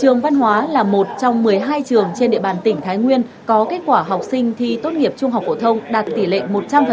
trường văn hóa là một trong một mươi hai trường trên địa bàn tỉnh thái nguyên có kết quả học sinh thi tốt nghiệp trung học phổ thông đạt tỷ lệ một trăm linh